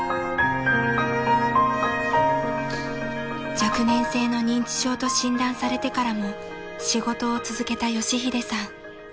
［若年性の認知症と診断されてからも仕事を続けた佳秀さん］